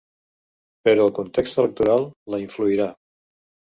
Però el context electoral la influirà.